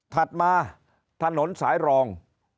ถัดมาถนนสายรอง